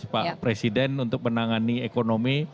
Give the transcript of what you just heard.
pak presiden untuk menangani ekonomi